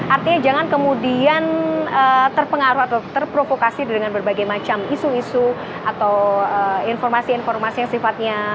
artinya jangan kemudian terpengaruh atau terprovokasi dengan berbagai macam isu isu atau informasi informasi yang sifatnya